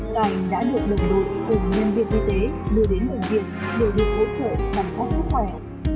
các anh đã được đồng đội cùng nhân viên y tế đưa đến bệnh viện để được hỗ trợ chăm sóc sức khỏe